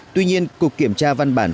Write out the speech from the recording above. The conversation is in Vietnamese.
tuy nhiên cuộc kiểm tra văn bản